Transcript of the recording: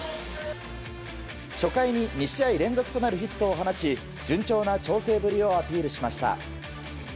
初回に２試合連続となるヒットを放ち順調な調整ぶりをアピールしました。